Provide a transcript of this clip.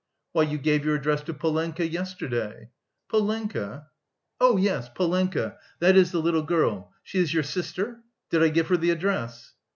"Why, you gave your address to Polenka yesterday." "Polenka? Oh, yes; Polenka, that is the little girl. She is your sister? Did I give her the address?"